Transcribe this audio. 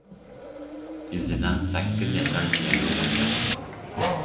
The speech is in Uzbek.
Izidan sakkiz yashar jiyani ergashdi.